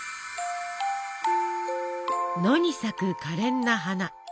野に咲くかれんな花。